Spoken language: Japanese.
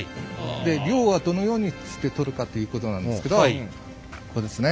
漁はどのようにして取るかということなんですけどこれですね。